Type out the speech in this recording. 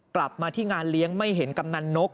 กลับมาที่งานเลี้ยงไม่เห็นกำนันนก